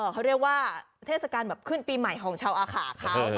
เขาเรียกว่าเทศกาลแบบขึ้นปีใหม่ของชาวอาขาเขา